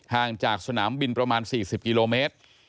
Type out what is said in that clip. ห่างจากสนามบินประมาณ๔๐กิโลเมตร